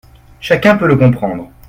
Chacun peut le comprendre.